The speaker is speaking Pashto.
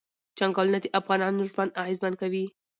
چنګلونه د افغانانو ژوند اغېزمن کوي.